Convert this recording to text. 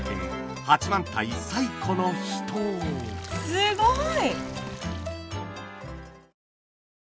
すごーい！